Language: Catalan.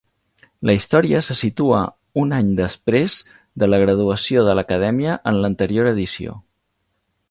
La història se situa un any després de la graduació de l'acadèmia en l'anterior edició.